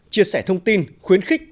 chia sẻ thông tin khuyến khích